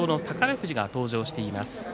富士が登場しています。